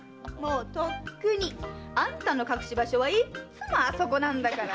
とっくに！あんたの隠し場所はいっつもあそこなんだから。